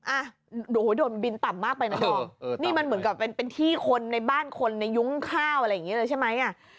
อ่ะโอ้โหโดนบินต่ำมากไปนะดอมนี่มันเหมือนกับเป็นที่คนในบ้านคนในยุ้งข้าวอะไรอย่างนี้เลยใช่ไหมอ่ะ